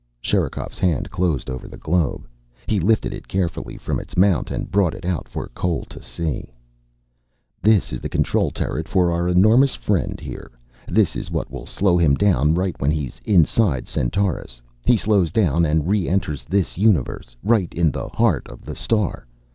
Sherikov's hand closed over the globe. He lifted it carefully from its mount and brought it out for Cole to see. "This is the control turret for our enormous friend here. This is what will slow him down when he's inside Centaurus. He slows down and re enters this universe. Right in the heart of the star.